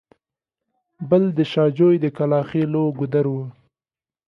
بل د شاه جوی د کلاخېلو ګودر و.